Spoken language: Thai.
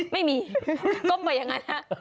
ไม่มีก้มแบบอย่างนั้น